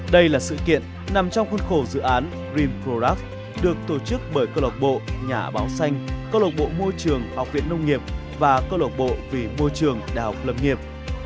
đây là sự kiện nằm trong khuôn khổ dự án dreamproc được tổ chức bởi cơ lộc bộ nhà báo xanh cơ lộc bộ môi trường học viện nông nghiệp và cơ lộng bộ vì môi trường đại học lập nghiệp